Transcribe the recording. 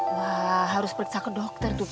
wah harus periksa ke dokter tuh